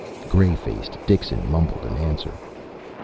_" Gray faced, Dixon mumbled an answer.